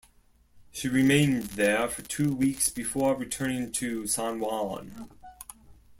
She remained there for two weeks before returning to San Juan.